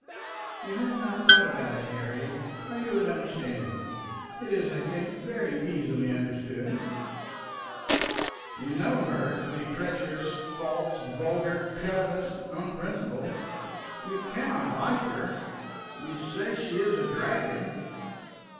"You have not thought about it, Harry, or you would understand it. It is, I think, very easily understood." "You know her to be treacherous, false, vulgar, covetous, unprincipled. You cannot like her. You say she is a dragon."